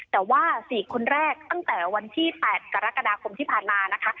แต่ว่า๔คนแรกตั้งแต่วันที่๘กรกฎาคมที่ผ่านมานะคะ